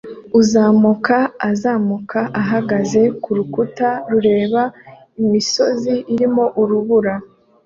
Uzamuka azamuka ahagaze ku rutare rureba imisozi irimo urubura